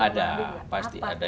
ada pasti ada